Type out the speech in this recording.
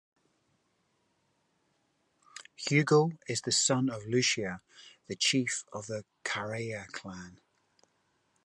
Hugo is the son of Lucia, the chief of the Karaya Clan.